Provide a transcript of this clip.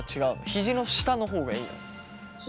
ヒジの下の方がいいの？